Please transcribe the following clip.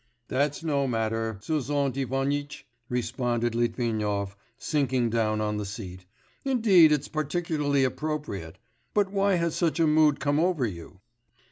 'That's no matter, Sozont Ivanitch,' responded Litvinov, sinking down on the seat, 'indeed it's particularly appropriate.... But why has such a mood come over you?